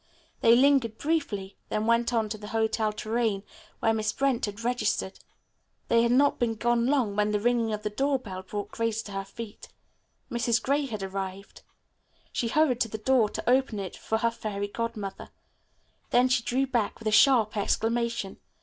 They lingered briefly, then went on to the Hotel Tourraine, where Miss Brent had registered. They had not been gone long when the ringing of the door bell brought Grace to her feet. Mrs. Gray had arrived. She hurried to the door to open it for her Fairy Godmother. Then she drew back with a sharp exclamation.